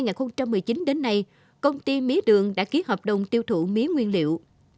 từ năm hai nghìn một mươi chín đến nay công ty mía đường đã ký hợp đồng tiêu thụ mía nguyên liệu